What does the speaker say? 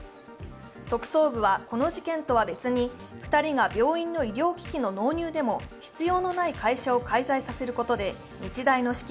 特捜部はこの事件とは別に、２人が病院の医療機器の納入でも必要のない会社を介在させることで日大の資金